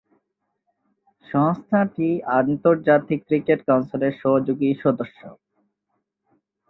সংস্থাটি আন্তর্জাতিক ক্রিকেট কাউন্সিলের সহযোগী সদস্য।